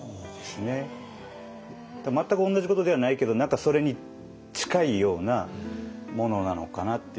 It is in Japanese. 全く同じことではないけど何かそれに近いようなものなのかなっていう。